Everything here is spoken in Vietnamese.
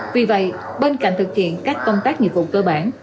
vì vậy bên cạnh thực hiện các công tác nghiệp vụ cơ bản